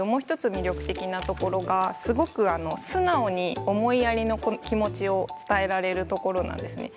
魅力的なところがすごく素直に思いやりの気持ちを伝えられるところなんです。